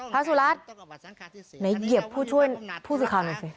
พระสุรัสตร์ไหนเหยียบผู้ช่วยผู้สิคคาหน่อยสิ